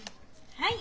はい。